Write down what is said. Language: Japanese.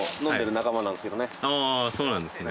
そうなんですね。